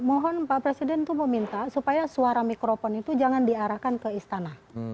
mohon pak presiden itu meminta supaya suara mikrofon itu jangan diarahkan ke istana